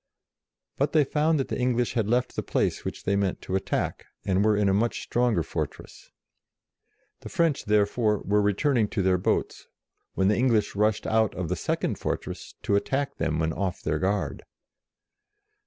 But they found that the English had left the place which they meant to attack, and were in a much stronger fortress. The French, therefore, were returning to their boats, when the English rushed out of the second fortress to attack them when off their guard.